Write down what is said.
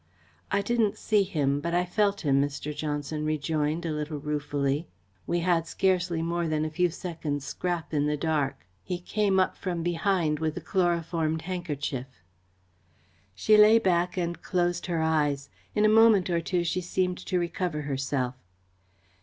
"I didn't see him but I felt him," Mr. Johnson rejoined, a little ruefully. "We had scarcely more than a few seconds' scrap in the dark. He came up from behind with a chloroformed handkerchief." She lay back and closed her eyes. In a moment or two she seemed to recover herself.